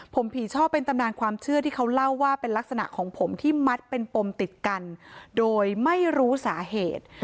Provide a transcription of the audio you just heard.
ผมผีช่อเป็นตำนานความเชื่อที่เขาเล่าว่าเป็นลักษณะของผมที่มัดเป็นปมติดกันโดยไม่รู้สาเหตุ